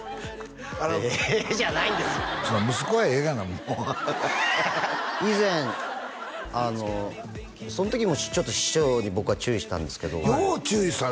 もう以前その時もちょっと師匠に僕は注意したんですけどよう注意さ